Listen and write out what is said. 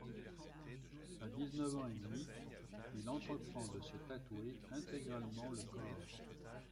À dix-neuf ans et demi, il entreprend de se tatouer intégralement le corps.